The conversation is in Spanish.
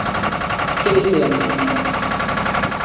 ¿ qué desea mi señora?